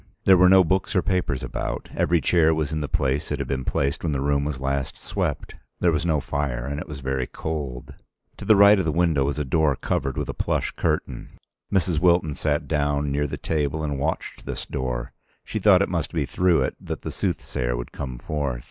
There were no books or papers about; every chair was in the place it had been placed when the room was last swept; there was no fire and it was very cold. To the right of the window was a door covered with a plush curtain. Mrs. Wilton sat down near the table and watched this door. She thought it must be through it that the soothsayer would come forth.